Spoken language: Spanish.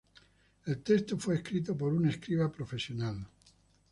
El texto fue escrito por un escriba profesional.